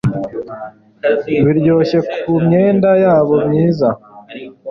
Biryoshye kumyenda yabo myiza